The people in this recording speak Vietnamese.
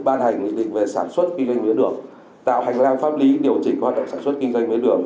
ban hành định về sản xuất kinh doanh miếng đường tạo hành lang pháp lý điều chỉnh hoạt động sản xuất kinh doanh miếng đường